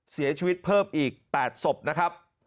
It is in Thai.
เสียชีวิตเพิ่มอีก๘ศพนะครับ